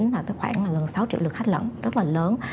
là khoảng gần sáu triệu lượt khách lẫn rất là lớn